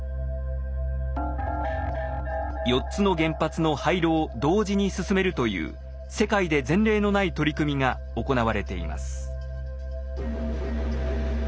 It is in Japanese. ４つの原発の廃炉を同時に進めるという世界で前例のない取り組みが行われています。